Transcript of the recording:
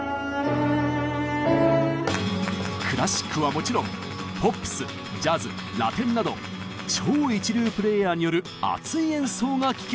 クラシックはもちろんポップスジャズラテンなど超一流プレーヤーによる熱い演奏が聴けちゃうんです！